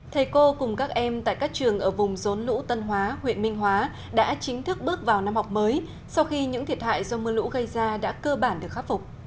thầy cô cùng các em tại các trường ở vùng rốn lũ tân hóa huyện minh hóa đã chính thức bước vào năm học mới sau khi những thiệt hại do mưa lũ gây ra đã cơ bản được khắc phục